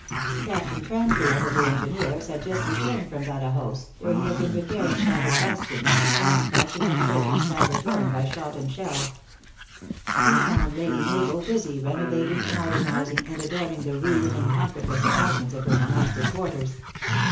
Captain Cranfield, of the engineers, had just returned from Badajoz, where he had been repair ing shattered bastions, and patching up curtains sadly 24 THE ACTRESS IN HIGH LIFE. torn by shot and shell. He found Lady Mabel busy renovating, modernising and adorning the rude and comfortless apartments of her monastic quarters.